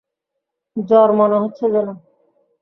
জ্বর মনে হচ্ছে যেন।